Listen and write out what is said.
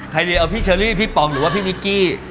ใครดีเอาพี่เชอรี่พี่ป๋อมหรือว่าพี่นิกกี้